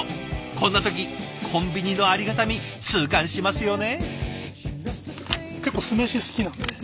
こんな時コンビニのありがたみ痛感しますよね。